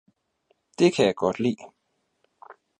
Det kan jeg godt lide!